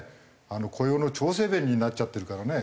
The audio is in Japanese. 雇用の調整弁になっちゃってるからね。